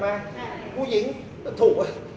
มันเป็นสิ่งที่เราไม่รู้สึกว่า